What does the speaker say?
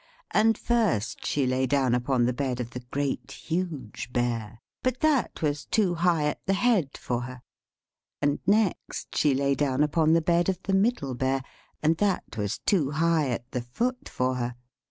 And first she lay down on the bed of the Great, Huge Bear, but that was too high at the head for her. Then she lay down on the bed of the Middle Sized Bear, but that was too high at the foot for her.